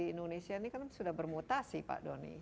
indonesia ini kan sudah bermutasi pak doni